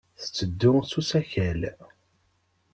Tetteddu s usakal.